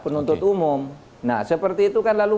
nah seperti itu kan lalu